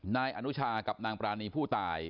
นายอนุชากับนางปรานีผู้ตาย